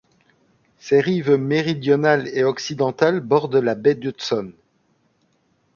Ses rives méridionales et occidentales bordent la baie d'Hudson.